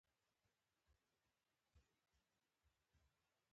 مناسب فکري مذهب معتزله وه